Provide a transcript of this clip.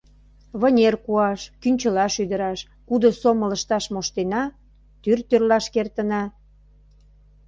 Вынер куаш, кӱнчыла шӱдыраш, кудо сомыл ышташ моштена, тӱр тӱрлаш кертына...